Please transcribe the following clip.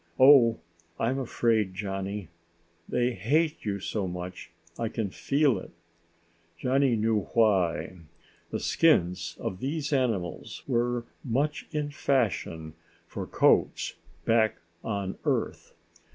"Oh, I'm afraid, Johnny. They hate you so much I can feel it." Johnny knew why. The skins of these animals were much in fashion for coats back on Earth.